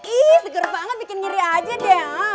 ih seger banget bikin ngiri aja deh